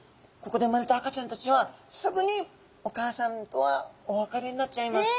ここでうまれた赤ちゃんたちはすぐにお母さんとはお別れになっちゃいます。